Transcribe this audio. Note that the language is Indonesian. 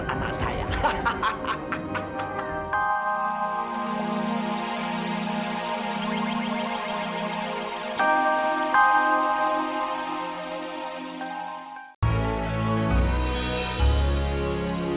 ya enak sekali ya